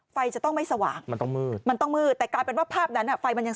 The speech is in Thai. ไฟจะต้องไม่สว่างมันต้องมืดมันต้องมืดแต่แบบนั้นไฟมันยัง